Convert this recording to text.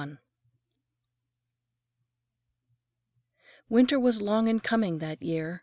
VIII Winter was long in coming that year.